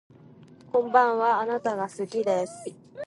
こんばんはあなたが好きです